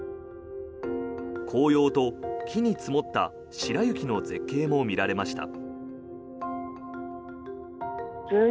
紅葉と、木に積もった白雪の絶景も見られました。